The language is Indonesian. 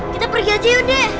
kita pergi aja yuk